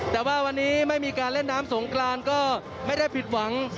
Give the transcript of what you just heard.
แต่ว่าวันนี้ไม่มีการเล่นน้ำสงกรานก็ไม่ได้ผิดหวัง